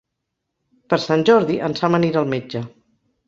Per Sant Jordi en Sam anirà al metge.